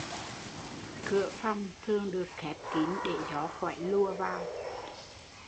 Cửa phòng thường được khép kín để gió khỏi lùa vào